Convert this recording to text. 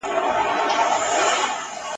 مور چي درخانۍ وي، لور به یې ښاپیرۍ وي ..